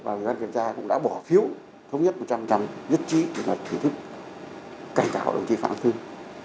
và ubk cũng đã bỏ phiếu thống nhất một trăm linh nhất trí của đồng chí phạm thương